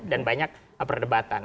dan banyak perdebatan